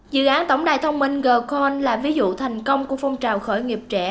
dự án tổng đài thông minh girl cons là ví dụ thành công của phong trào khởi nghiệp trẻ